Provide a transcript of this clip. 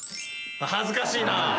恥ずかしいな。